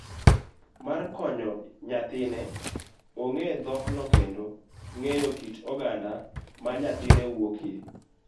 mar konyo nyathine ong'e dhokno kendo ng'eyo kit oganda ma nyathine wuokie.